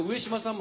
も